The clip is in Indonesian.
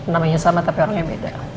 namanya sama tapi harusnya beda